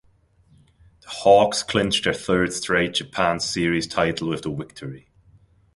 The Hawks clinched their third straight Japan Series title with the victory.